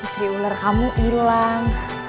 putri ular kamu ilang